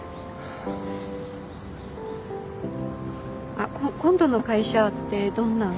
あっ今度の会社ってどんな？